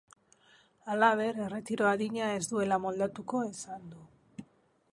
Halaber, erretiro adina ez duela moldatuko esan du.